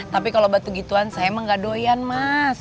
tapi kalau batu gituan saya emang gak doyan mas